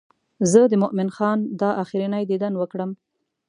زه د مومن خان دا آخرنی دیدن وکړم.